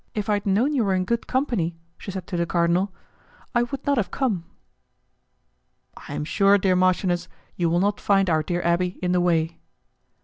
"If I had known you were in good company," she said to the cardinal, "I would not have come." "I am sure, dear marchioness, you will not find our dear abbé in the way."